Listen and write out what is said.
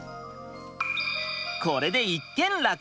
これで一件落着！